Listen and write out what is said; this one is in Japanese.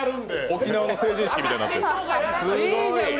沖縄の成人式みたくなってる。